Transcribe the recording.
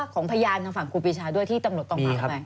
ของพยานทางฝั่งครูปีชาด้วยที่ตำรวจต้องมา